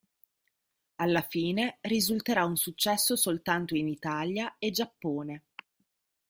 Alla fine risulterà un successo soltanto in Italia e Giappone.